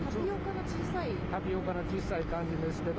タピオカの小さい感じですけど。